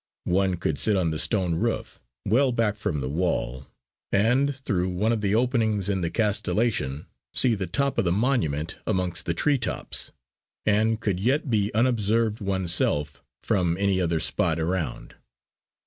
One could sit on the stone roof, well back from the wall, and through one of the openings in the castellation see the top of the monument amongst the tree tops; and could yet be unobserved oneself from any other spot around.